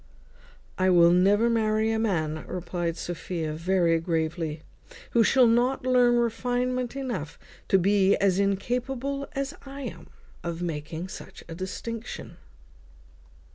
"I will never marry a man," replied Sophia, very gravely, "who shall not learn refinement enough to be as incapable as I am myself of making such a distinction."